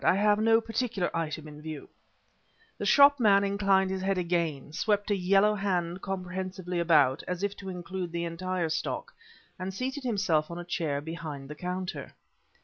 "I have no particular item in view." The shop man inclined his head again, swept a yellow hand comprehensively about, as if to include the entire stock, and seated himself on a chair behind the counter.